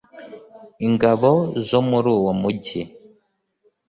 Ingabo zo muri uwo mugi